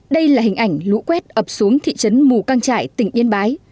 đây là hình ảnh lũ quét ập xuống thị trấn mù căng trải tỉnh yên bái